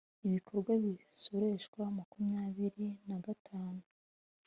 ibikorwa bisoreshwa makumyabiri na gatanu